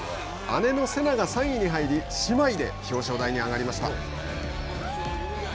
姉のせなが３位に入り姉妹で表彰台に上がりました。